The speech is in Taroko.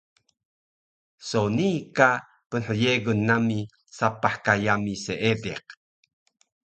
So nii ka pnhyegun nami sapah ka yami Seediq